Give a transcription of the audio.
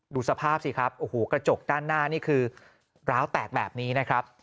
ดูสภาพสิครับโอ้โหกระจกด้านหน้านี่คือร้าวแตกแบบนี้นะครับ